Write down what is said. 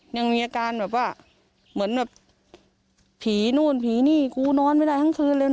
ยังมีอาการแบบว่าเหมือนแบบผีนู่นผีนี่กูนอนไม่ได้ทั้งคืนเลย